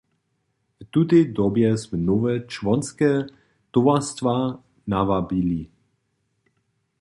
W tutej dobje smy nowe čłonske towarstwa nawabili.